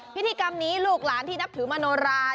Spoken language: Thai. พิธีกรรมนี้ลูกหลานที่นับถือมโนรา